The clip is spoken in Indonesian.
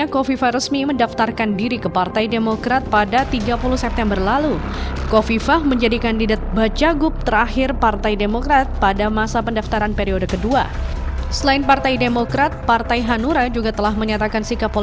kofifah indar parawansa